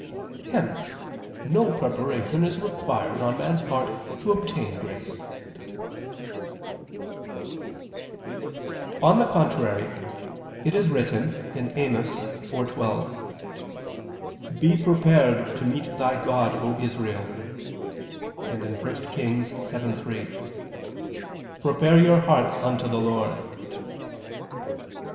Hence no preparation is required on man's part to obtain grace. On the contrary, It is written (Amos 4:12): "Be prepared to meet thy God, O Israel," and (1 Kings 7:3): "Prepare your hearts unto the Lord."